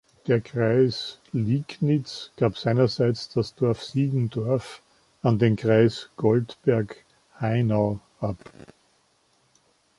Der Kreis Liegnitz gab seinerseits das Dorf Siegendorf an den Kreis Goldberg-Haynau ab.